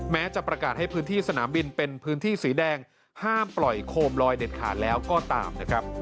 แม้จะประกาศให้พื้นที่สนามบินเป็นพื้นที่สีแดงห้ามปล่อยโคมลอยเด็ดขาดแล้วก็ตามนะครับ